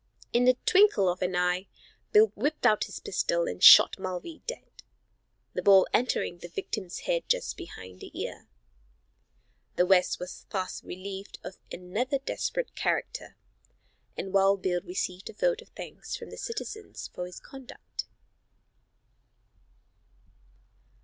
In the twinkle of an eye, Bill whipped out his pistol and shot Mulvey dead, the ball entering the victim's head just behind the ear. The West was thus relieved of another desperate character, and Wild Bill received a vote of thanks from the citizens for his conduct.